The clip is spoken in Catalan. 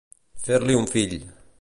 Fer-li un fill.